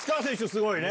すごいね！